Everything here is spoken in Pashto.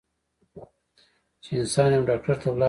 چې انسان يو ډاکټر له لاړشي